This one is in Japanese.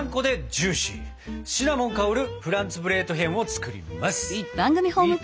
シナモン香るフランツブレートヒェンを作ります！